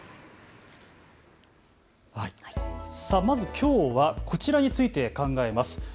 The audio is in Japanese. まずきょうはこちらについて考えます。